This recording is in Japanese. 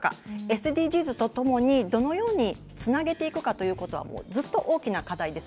ＳＤＧｓとともに、どのようにつなげていくかというのはずっと大きな課題です。